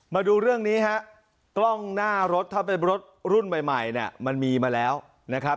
มาดูเรื่องนี้ฮะกล้องหน้ารถถ้าเป็นรถรุ่นใหม่เนี่ยมันมีมาแล้วนะครับ